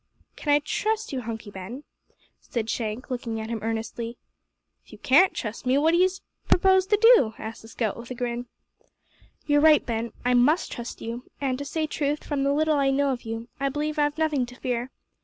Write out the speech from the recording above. "Can I trust you, Hunky Ben?" said Shank, looking at him earnestly. "If you can't trust me, what d'ye propose to do?" asked the scout with a grin. "You're right, Ben. I must trust you, and, to say truth, from the little I know of you, I believe I've nothing to fear.